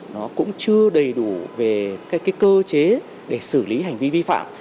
nó cũng chưa đầy đủ về cái cơ chế để xử lý hành vi vi phạm